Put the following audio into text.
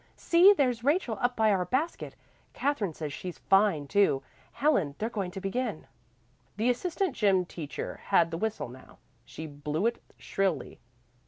See, there's Rachel up by our basket. Katherine says she's fine too. Helen, they're going to begin." The assistant gym teacher had the whistle now. She blew it shrilly.